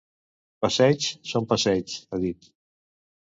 Passeigs són passeigs, ha dit.